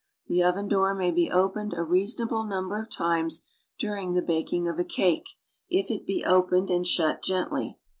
The oven door may be opened a reasonable num ber of times during the baking of a cake, if it be opened and shut gently.